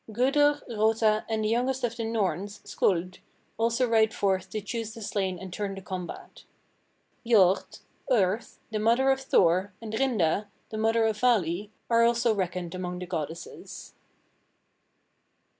Gudur, Rota, and the youngest of the Norns, Skuld, also ride forth to choose the slain and turn the combat. Jord (earth), the mother of Thor, and Rinda, the mother of Vali, are also reckoned amongst the goddesses."